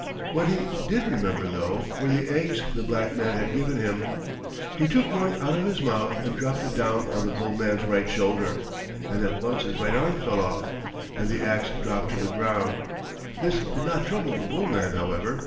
What he did remember, though, were the eggs the black man had given him. He took one out of his mouth and dropped it down on the bull man's right shoulder, and at once his right arm fell off, and the ax dropped to the ground. This did not trouble the bull man, however.